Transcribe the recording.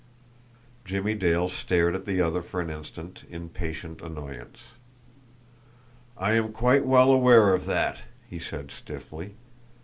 Jimmie Dale stared at the other for an instant in patient annoyance. "I am quite well aware of that," he said stiffly.